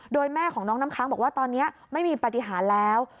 โดยแม่ของน้องน้ำค้างบอกว่าตอนนี้ไม่มีปฏิหารแล้ว